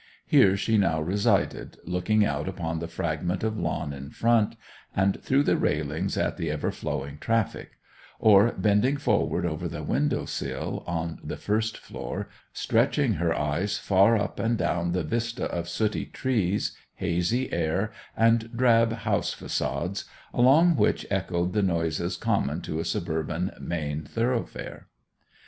Here she now resided, looking out upon the fragment of lawn in front, and through the railings at the ever flowing traffic; or, bending forward over the window sill on the first floor, stretching her eyes far up and down the vista of sooty trees, hazy air, and drab house façades, along which echoed the noises common to a suburban main thoroughfare.